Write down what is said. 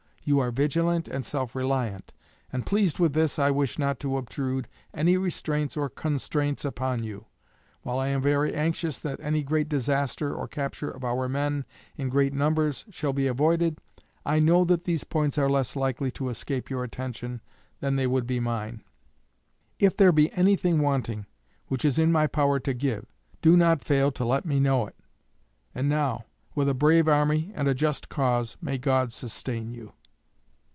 You are vigilant and self reliant; and, pleased with this, I wish not to obtrude any restraints or constraints upon you. While I am very anxious that any great disaster or capture of our men in great numbers shall be avoided, I know that these points are less likely to escape your attention than they would be mine. If there be anything wanting which is in my power to give, do not fail to let me know it. And now, with a brave army and a just cause, may God sustain you.